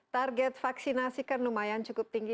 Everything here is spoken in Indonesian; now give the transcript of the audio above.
target vaksinasi kan lumayan cukup tinggi